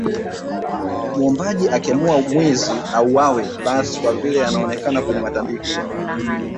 Mwombaji akiamua mwizi auawe basi kwa vile anaonekana kwenye matambiko